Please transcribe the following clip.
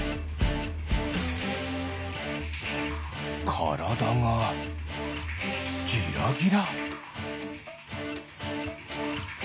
からだがギラギラ。